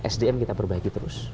sdm kita perbaiki terus